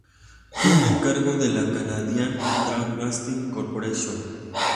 Fue un encargo de la Canadian Broadcasting Corporation.